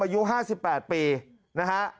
อายุ๕๘ปีนะฮะ